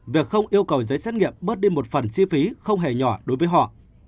việc không yêu cầu giấy xét nghiệm bớt đi một phần chi phí không hề nhỏ đối với họ